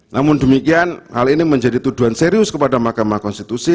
namun demikian hal ini menjadi tuduhan serius kepada mahkamah konstitusi